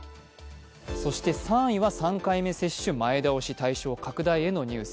３位は３回目接種前倒し対象拡大へのニュース。